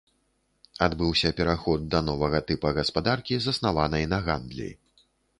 Адбыўся пераход да новага тыпа гаспадаркі, заснаванай на гандлі.